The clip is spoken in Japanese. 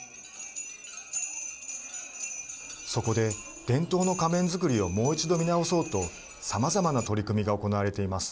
そこで、伝統の仮面作りをもう一度見直そうとさまざまな取り組みが行われています。